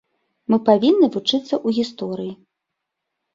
Мы павінны вучыцца ў гісторыі.